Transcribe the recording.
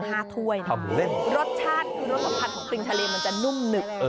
รสชาติคือรสผัดของปริงทะเลมันจะนุ่มหนึก